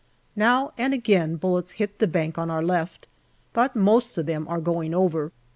Now and again bullets hit the bank on our left, but most of them are going over.